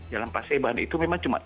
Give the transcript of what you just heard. jalan paseban itu memang cuma